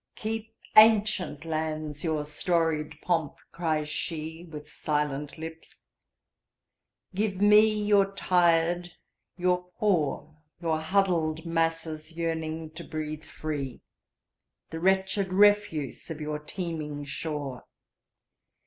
"Keep, ancient lands, your storied pomp!" cries sheWith silent lips. "Give me your tired, your poor, Your huddled masses yearning to breathe free, The wretched refuse of your teeming shore.